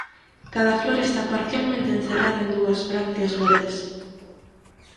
Cada flor está parcialmente encerrada en dúas brácteas verdes.